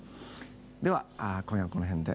では今夜はこの辺で。